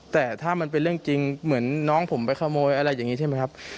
แต่ถ้ามันเป็นเรื่องจริงเหมือนน้องผมไปขโมยอะไรอย่างนี้ใช่ไหมครับ